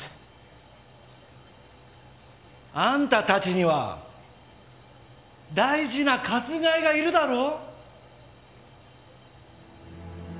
あんたたちには大事な鎹がいるだろう？